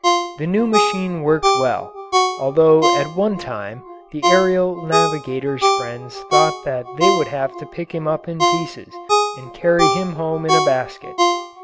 The new machine worked well, though at one time the aerial navigator's friends thought that they would have to pick him up in pieces and carry him home in a basket.